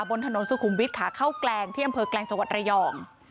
บนถนนสุขุมวิทย์ขาเข้าแกลงที่อำเภอแกลงจังหวัดระยอง